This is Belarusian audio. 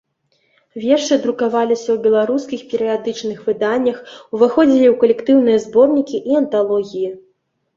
Вершы друкаваліся ў беларускіх перыядычных выданнях, уваходзілі ў калектыўныя зборнікі і анталогіі.